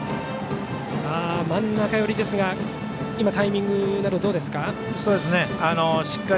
真ん中寄り、今タイミングなどはどうですか。